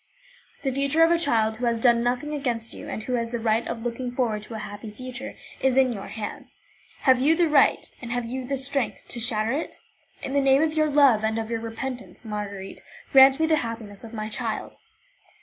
The future of a child who has done nothing against you, and who has the right of looking forward to a happy future, is in your hands. Have you the right, have you the strength, to shatter it? In the name of your love and of your repentance, Marguerite, grant me the happiness of my child."